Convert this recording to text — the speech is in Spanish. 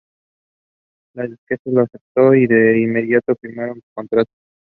La disquera los aceptó, y de inmediato firmaron contrato.